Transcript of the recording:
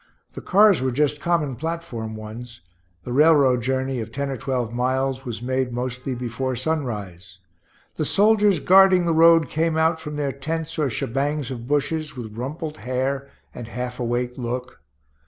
The cars were just common platform ones. The railroad journey of ten or twelve miles was made mostly before sunrise. The soldiers guarding the road came out from their tents or shebangs of bushes with rumpled hair and half awake look.